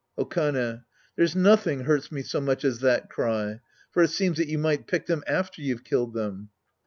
Okane. There's nothing hurts me so much as that cry. For it seems that you might pick them after you've killed them.